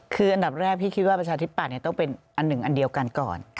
คืออันดับแรกพี่คิดว่าประชาธิปัตย์ต้องเป็นอันหนึ่งอันเดียวกันก่อน